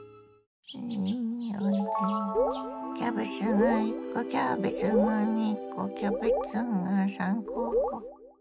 キャベツが１コキャベツが２コキャベツが３コ。